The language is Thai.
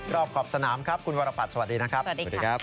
รอบขอบสนามครับคุณวารปัชสวัสดีนะครับ